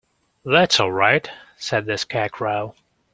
"That's all right," said the Scarecrow.